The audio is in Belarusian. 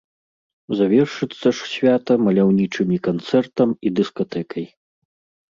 Завершыцца ж свята маляўнічымі канцэртам і дыскатэкай.